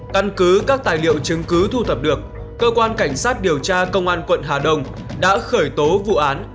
căn cứ các tài liệu chứng cứ thu thập được cơ quan cảnh sát điều tra công an quận hà đông đã khởi tố vụ án